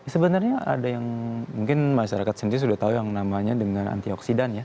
sebenarnya ada yang mungkin masyarakat sendiri sudah tahu yang namanya dengan antioksidan ya